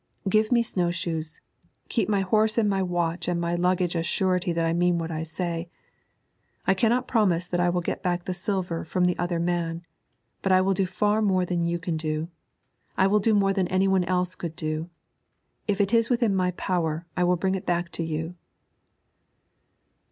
Give me snow shoes. Keep my horse and my watch and my luggage as surety that I mean what I say. I cannot promise that I can get back the silver from the other man, but I will do far more than you can do. I will do more than any one else could do. If it is within my power I will bring it back to you.'